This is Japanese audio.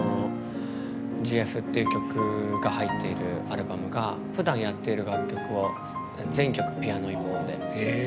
「Ｇ．Ｆ．」っていう曲が入っているアルバムがふだんやっている楽曲を全曲ピアノで。